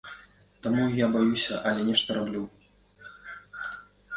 Таму я баюся, але нешта раблю.